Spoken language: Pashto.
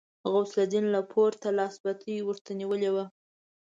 غوث الدين له پورته لاسي بتۍ ورته نيولې وه.